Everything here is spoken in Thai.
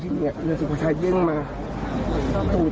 จะโดดลงเนี่ยมันเร็วมากถึงเป็นว่ามันซัดผมนะครับ